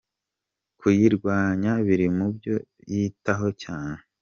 Kuyirwanya biri mu byo yitaho cyane.